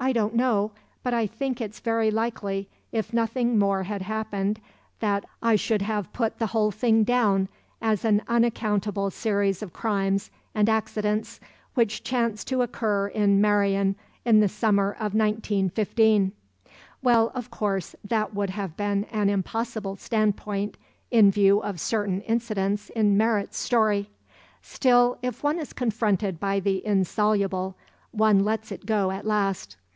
I don't know, but I think it's very likely if nothing more had happened that I should have put the whole thing down as an unaccountable series of crimes and accidents which chanced to occur in Meirion in the summer of 1915. Well, of course, that would have been an impossible standpoint in view of certain incidents in Merritt's story. Still, if one is confronted by the insoluble, one lets it go at last.